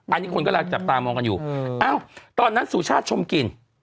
อันนี้คนกำลังจับตามองกันอยู่อ้าวตอนนั้นสุชาติชมกิน